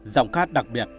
giọng khát đặc biệt